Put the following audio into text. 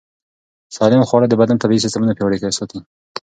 سالم خواړه د بدن طبیعي سیستمونه پیاوړي ساتي.